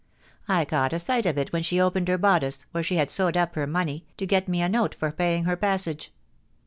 I caught a sight of it when she opened her bodice, where she had sewed up her money, to get me a note Sssl paying her passage.